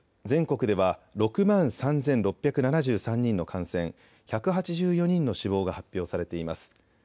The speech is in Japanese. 全国では６万３６７３人の感染１８４人の死亡が発表されています。